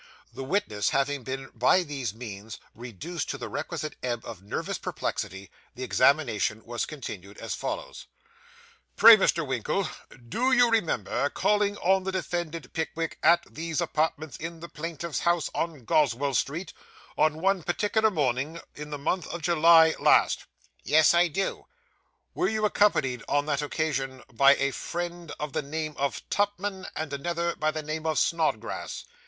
The witness having been by these means reduced to the requisite ebb of nervous perplexity, the examination was continued as follows 'Pray, Mr. Winkle, do you remember calling on the defendant Pickwick at these apartments in the plaintiff's house in Goswell Street, on one particular morning, in the month of July last?' 'Yes, I do.' 'Were you accompanied on that occasion by a friend of the name of Tupman, and another by the name of Snodgrass?